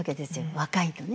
若いとね。